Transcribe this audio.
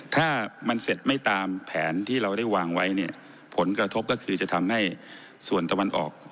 ถ้ามันเสร็จไม่ตามแผนที่เราได้วางไว้เนี่ยผลกระทบก็คือจะทำให้ส่วนตะวันออก